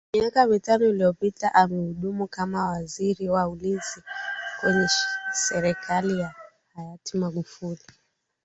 Miaka mitano iliyopita amehudumu kama Waziri wa Ulinzi kwenye serikali ya hayati Magufuli